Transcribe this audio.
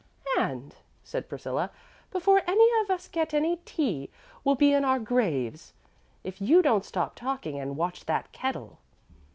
"And," said Priscilla, "before any of us get any tea we'll be in our graves, if you don't stop talking and watch that kettle."